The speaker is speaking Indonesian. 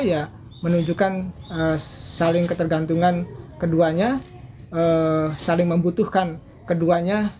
ya menunjukkan saling ketergantungan keduanya saling membutuhkan keduanya